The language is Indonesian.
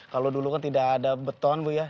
kalau dulu kan tidak ada beton bu ya